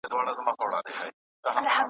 ونې هوا پاکه ساتي.